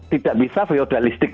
tidak bisa feodalistik